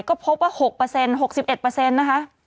ก็พบว่า๖เปอร์เซ็นต์๖๑เปอร์เซ็นต์นะคะ